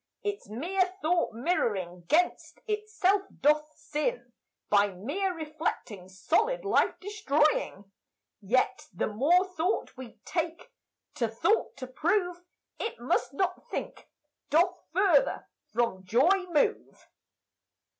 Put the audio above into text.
Its mere thought mirroring gainst itself doth sin, By mere reflecting solid life destroying, Yet the more thought we take to thought to prove It must not think, doth further from joy move.